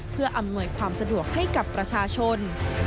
เพื่ออำนวยความสะดวกให้กับประชาชน